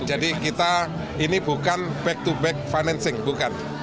jadi kita ini bukan back to back financing bukan